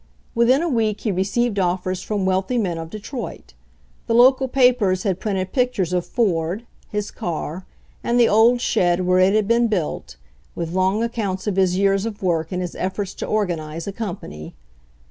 Within a week he received offers from wealthy men of 'Detroit. The local papers had printed pictures of Ford, his car and the old shed where it had been built, with long accounts of his years of work and his efforts to organize a company.